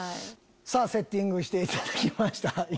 セッティングしていただきました。